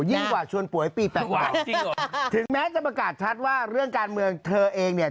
ยิ่งกว่าชวนป่วยปี๘กว่าจริงเหรอถึงแม้จะประกาศชัดว่าเรื่องการเมืองเธอเองเนี่ย